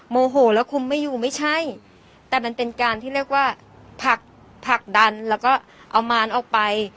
โมโหแล้วคุมไม่อยู่ไม่ใช่แต่มันเป็นการที่เรียกว่าผลักผลักดันแล้วก็เอามารออกไป